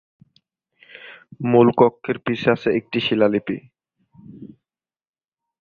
মূল কক্ষের পিছে আছে একটি শিলালিপি।